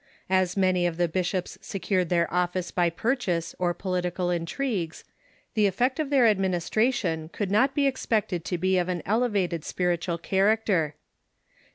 As many of the bishops secured their office by purchase or political intrigues, the eifect of their administration could not be expected to be of an elevated spiritual character.